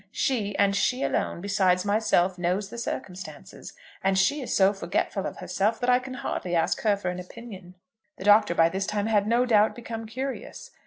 She, and she alone, besides myself, knows the circumstances, and she is so forgetful of herself that I can hardly ask her for an opinion." The Doctor by this time had no doubt become curious.